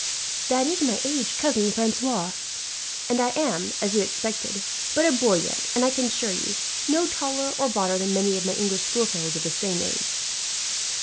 "That is my age, Cousin Francois; and I am, as you expected, but a boy yet and, I can assure you, no taller or broader than many of my English schoolfellows of the same age."